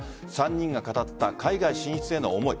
３人が語った海外進出への思い。